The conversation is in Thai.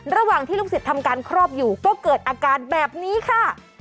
ระหว่างที่ลูกศิษย์ทำการครอบอยู่ก็เกิดอาการแบบนี้ค่ะ